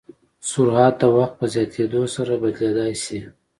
سرعت د وخت په زیاتېدو سره بدلېدای شي.